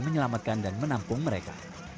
menyelamatkan dan menampung mereka